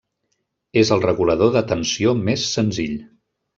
És el regulador de tensió més senzill.